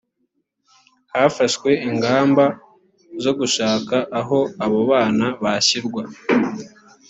hafashwe ingamba zo gushaka aho abo bana bashyirwa